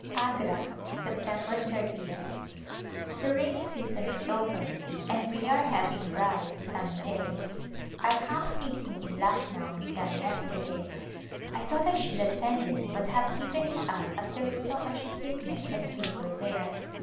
[ 266] In the Mountains Jgra^ Sept.joth, The rainy season is over and we are having bright, sunny days. Our camp meeting in Lucknow began yesterday. I thought I should attend it but have given it up as there is so much sickness and fever there.